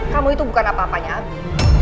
kamu itu bukan apa apanya amin